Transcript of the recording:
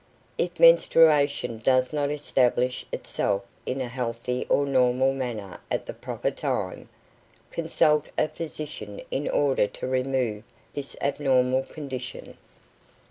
If menstruation does not establish itself in a healthy or normal manner at the proper time, consult a physician in order to remove this abnormal condition.